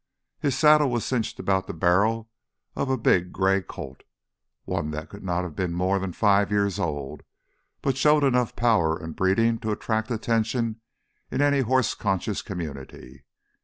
His saddle was cinched about the barrel of a big gray colt, one that could not have been more than five years old but showed enough power and breeding to attract attention in any horse conscious community.